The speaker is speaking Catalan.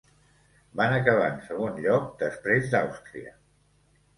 Van acabar en segon lloc, després d'Àustria.